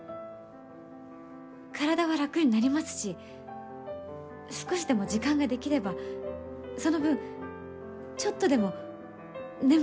体は楽になりますし少しでも時間ができればその分ちょっとでも眠れると思うんです。